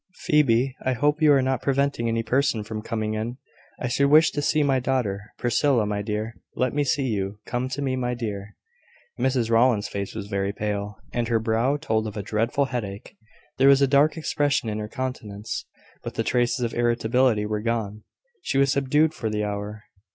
"Phoebe, I hope you are not preventing any person from coming in. I should wish to see my daughter. Priscilla, my dear, let me see you. Come to me, my dear." Mrs Rowland's face was very pale, and her brow told of a dreadful headache. There was a dark expression in her countenance, but the traces of irritability were gone. She was subdued for the hour.